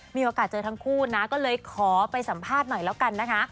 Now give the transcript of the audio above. มีโอกาสเจอทั้งคู่นะก็เลยขอไปสัมภาษณ์หน่อยแล้วกันนะคะ